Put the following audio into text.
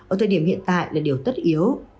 ở thời điểm hiện tại là điều tất yếu